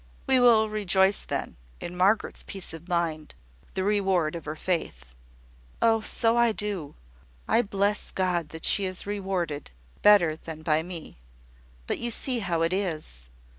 "We will rejoice, then, in Margaret's peace of mind, the reward of her faith." "Oh, so I do! I bless God that she is rewarded, better than by me. But you see how it is.